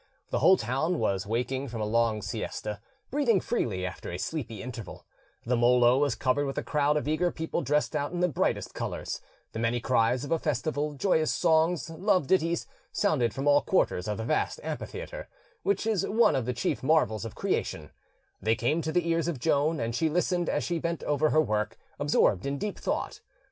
The whole town was waking from a long siesta, breathing freely after a sleepy interval; the Molo was covered with a crowd of eager people dressed out in the brightest colours; the many cries of a festival, joyous songs, love ditties sounded from all quarters of the vast amphitheatre, which is one of the chief marvels of creation; they came to the ears of Joan, and she listened as she bent over her work, absorbed in deep thought.